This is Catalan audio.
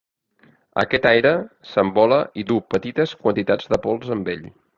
Aquest aire s'envola i duu petites quantitats de pols amb ell.